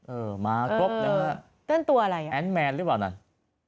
เออมากรบนะฮะแอนต์แมนหรือเปล่าน่ะต้นตัวอะไร